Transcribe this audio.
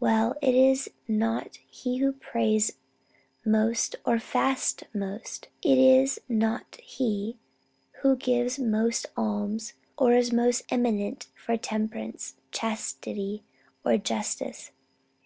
Well, it is not he who prays most or fasts most; it is not he who gives most alms or is most eminent for temperance, chastity, or justice.